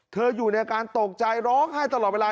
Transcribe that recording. อยู่ในอาการตกใจร้องไห้ตลอดเวลา